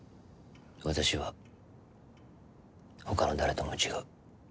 私はほかの誰とも違う。